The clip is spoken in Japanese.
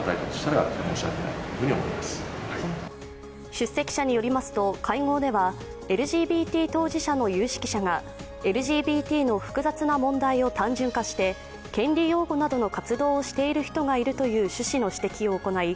出席者によりますと会合ではＬＧＢＴ当事者の有識者がＬＧＢＴの複雑な問題を単純化して権利擁護などの活動をしている人がいるという趣旨の指摘を行い